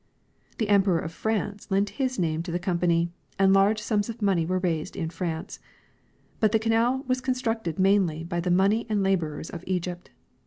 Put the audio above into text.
The emperor of France lent his name to the company, and large sums of money were raised in France ; but the canal Avas constructed mainly by the money and laborers of Egypt.